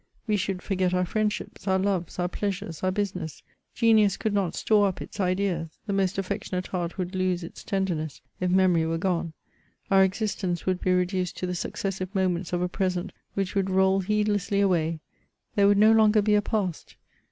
We should forget our friendships, our loves^ our pleasures, our business ; genius could not store up its ideas ; the most affectionate heart would lose its tenderness, if memory were gone; our existence would be reduced to the successive moments of a present which would roll heedlessly away ; Acre would no longer be a past.